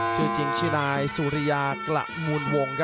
ชื่อจริงชื่อนายสุริยากระมูลวง